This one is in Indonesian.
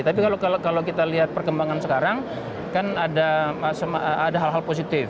tapi kalau kita lihat perkembangan sekarang kan ada hal hal positif